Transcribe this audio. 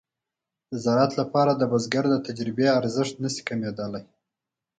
د زراعت لپاره د بزګر د تجربې ارزښت نشي کمېدلای.